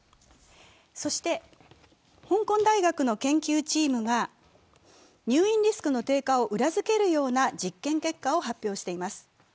そして香港大学の研究チームが入院リスクの低下を裏付けるような実験結果を発表しています。